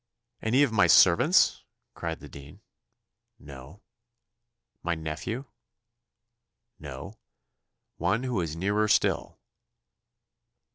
"Any of my servants?" cried the dean. "No." "My nephew?" "No; one who is nearer still."